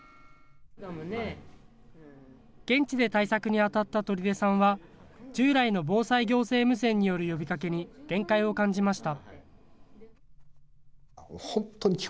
現地で対策に当たった取出さんは、従来の防災行政無線による呼びかけに限界を感じました。